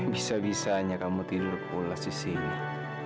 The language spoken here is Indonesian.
bisa bisanya kamu tidur pulas di sini